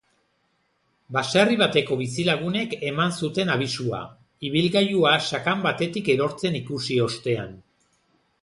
Baserri bateko bizilagunek eman zuten abisua, ibilgailua sakan batetik erortzen ikusi ostean.